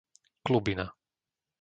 Klubina